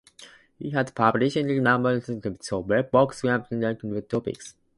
He has published numerous essays and several books on Japan-related topics.